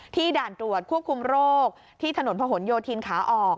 ด่านตรวจควบคุมโรคที่ถนนพะหนโยธินขาออก